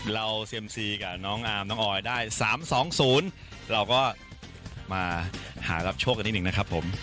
เซียมซีกับน้องอาร์มน้องออยได้๓๒๐เราก็มาหารับโชคกันนิดหนึ่งนะครับผม